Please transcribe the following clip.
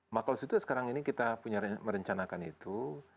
maka sekarang ini kita merencanakan itu